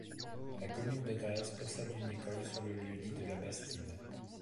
La commune de Grèzes possède une école sur le lieu-dit de La Bastide.